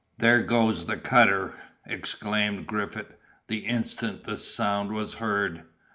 "There goes the cutter!" exclaimed Griffith, the instant the sound was heard.